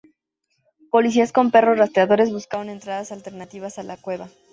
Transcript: Policías con perros rastreadores buscaron entradas alternativas a la cueva.